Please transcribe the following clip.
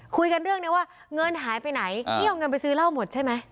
คุยกันเรื่องนี้ว่าเงินหายไปไหนนี่เอาเงินไปซื้อเหล้าหมดใช่ไหม